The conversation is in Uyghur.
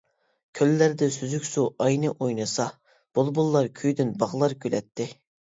كۆللەردە سۈزۈك سۇ ئاينى ئوينىسا، بۇلبۇللار كۈيىدىن باغلار كۈلەتتى.